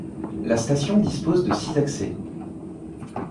La station dispose de six accès.